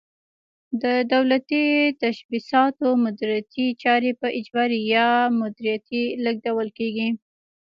د دولتي تشبثاتو مدیریتي چارې په اجارې یا مدیریت لیږدول کیږي.